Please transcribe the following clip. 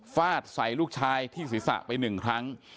ฟาดใส่ลูกชายที่ศีรษะไปหนึ่งครั้ง